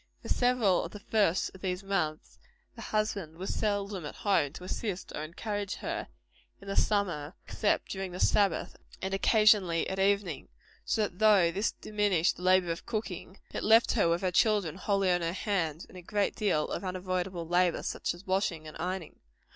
For several of the first of these years, the husband was seldom at home to assist or encourage her, in the summer, except during the Sabbath and occasionally at evening; so that though this diminished the labor of cooking, it left her with her children wholly on her hands, and a great deal of unavoidable labor, such as washing and ironing.